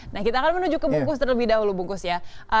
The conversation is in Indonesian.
nah kita akan menuju ke bungkus terlebih dahulu bungkus ya